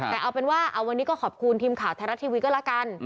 แต่เอาเป็นว่าวันนี้ก็ขอบคุณทีมข่าวไทยรัฐทีวีก็แล้วกัน